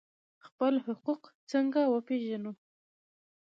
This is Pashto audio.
خپل حقوق څنګه وپیژنو؟